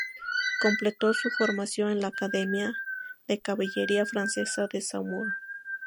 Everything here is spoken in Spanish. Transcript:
Completó su formación en la Academia de Caballería francesa de Saumur.